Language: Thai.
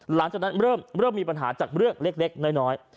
หลังจากนั้นเริ่มมีปัญหาจากเรื่องเล็กน้อย